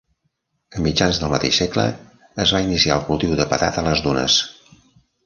A mitjans del mateix segle, es va iniciar el cultiu de patata a les dunes.